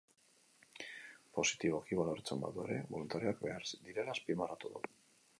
Positiboki baloratzen badu ere, boluntarioak behar direla azpimarratu du.